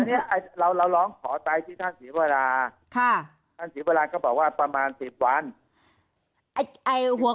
อันนี้เราร้องขอไปที่ท่านศรีวราท่านศรีวราก็บอกว่าประมาณ๑๐วัน